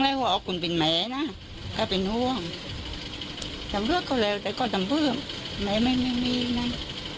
แต่ในใจที่ยังเชื่อว่าลูกบอกไม่ได้ทำ